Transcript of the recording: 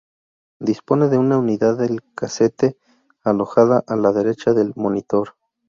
Dispone de una unidad de casete alojada a la derecha del monitor.